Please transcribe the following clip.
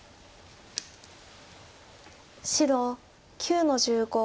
白９の十五。